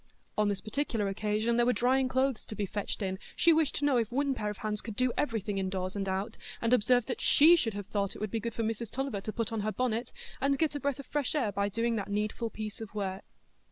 On this particular occasion there were drying clothes to be fetched in; she wished to know if one pair of hands could do everything in doors and out, and observed that she should have thought it would be good for Mrs Tulliver to put on her bonnet, and get a breath of fresh air by doing that needful piece of work.